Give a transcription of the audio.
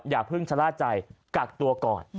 อย่าเพิ่งชะล่าใจกักตัวก่อน